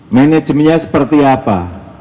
manajemenya seperti apa